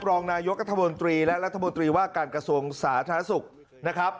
รองนายกัธมนตรีและรัฐมนตรีว่าการกระทรวงสาธารณสุขนะครับ